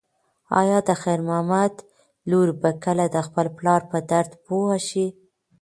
ایا د خیر محمد لور به کله د خپل پلار په درد پوه شي؟